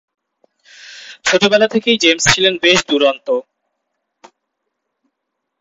ছোটবেলা থেকেই জেমস ছিলেন বেশ দুরন্ত।